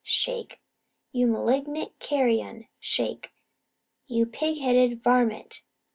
shake "You malignant carrion" shake "You pig headed varmint!"